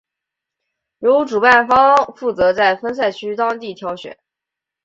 由主办方负责在分赛区当地挑选。